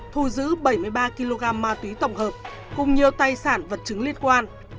thu giữ bảy mươi ba kg ma túy tổng hợp cùng nhiều tài sản vật chứng liên quan